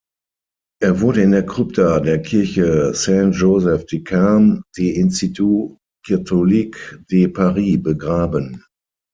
Er wurde in der Krypta der Kirche St-Joseph-des-Carmes des Institut Catholique de Paris begraben.